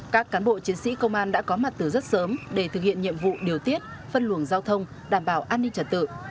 các cán bộ chiến sĩ công an đã có mặt từ rất sớm để thực hiện nhiệm vụ điều tiết phân luồng giao thông đảm bảo an ninh trật tự